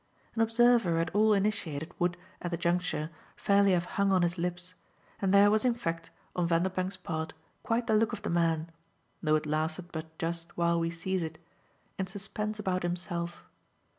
An observer at all initiated would, at the juncture, fairly have hung on his lips, and there was in fact on Vanderbank's part quite the look of the man though it lasted but just while we seize it in suspense about himself.